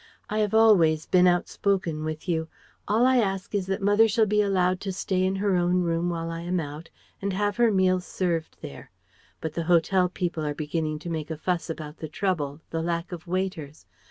I have always been outspoken with you. All I ask is that mother shall be allowed to stay in her own room while I am out, and have her meals served there. But the hotel people are beginning to make a fuss about the trouble, the lack of waiters.